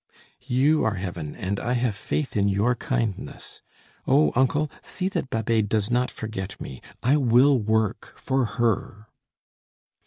"You are heaven, and I have faith in your kindness. Oh! uncle, see that Babet does not forget me. I will work for her."